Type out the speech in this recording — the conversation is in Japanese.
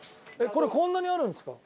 これこんなにあるんですか？